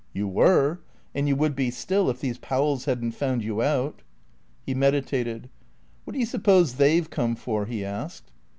"You were. And you would be still, if these Powells hadn't found you out." He meditated. "What do you suppose they've come for?" he asked.